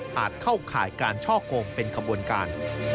ผ่านเข้าขายการช่อโกงเป็นกระบวนการ